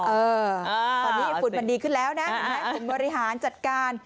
ตอนนี้ฝุ่นมันดีขึ้นแล้วนะฝุ่นมริหารจัดการ